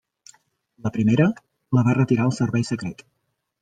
La primera la va retirar el Servei Secret.